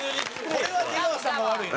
これは出川さんが悪いわ。